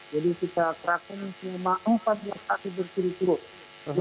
jadi kita kerakun cuma empat jalan kaki bersiri siri